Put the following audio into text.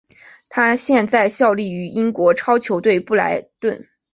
他现在效力于英超球队布莱顿。